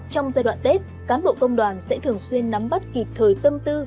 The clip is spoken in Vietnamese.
trong giai đoạn tết cán bộ công đoàn sẽ thường xuyên nắm bắt kịp thời tâm tư